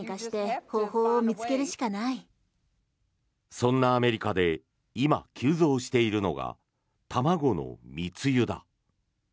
そんなアメリカで今急増しているのが卵の密輸だ。